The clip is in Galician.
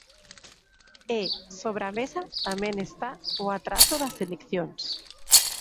E, sobre a mesa, tamén está o atraso das eleccións.